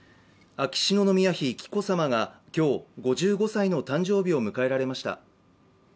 秋篠宮妃・紀子さまが今日、５５歳の誕生日を迎えられました。